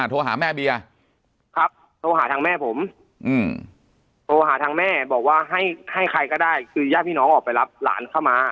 โทรหาแม่เบียร์ครับโทรหาทางแม่ผมโทรหาทางแม่บอกว่าให้ใครก็ได้คือญาติพี่น้องออกไปรับหลานเข้ามา